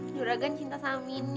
juragan cinta sama mini